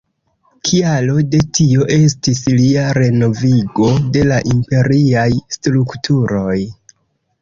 Kialo de tio estis lia renovigo de la imperiaj strukturoj.